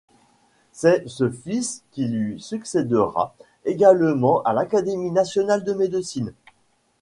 C’est ce fils qui lui succédera également à l’Académie nationale de médecine.